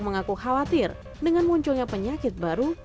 mengaku khawatir dengan munculnya penyakit baru